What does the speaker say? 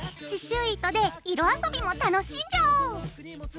刺しゅう糸で色遊びも楽しんじゃおう！